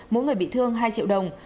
mỗi người bị thương hai triệu đồng